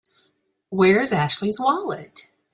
Where's Ashley's wallet?